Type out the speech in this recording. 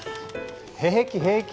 平気平気。